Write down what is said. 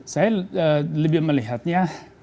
saya lebih melihatnya